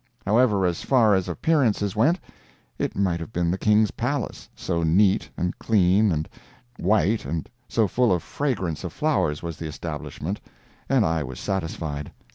However, as far as appearances went, it might have been the king's palace, so neat, and clean, and white, and so full of the fragrance of flowers was the establishment, and I was satisfied.